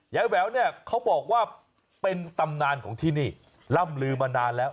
แหววเนี่ยเขาบอกว่าเป็นตำนานของที่นี่ล่ำลือมานานแล้ว